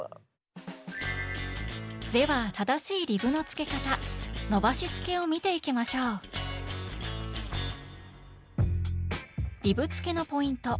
では正しいリブのつけ方「伸ばしつけ」を見ていきましょうリブつけのポイント。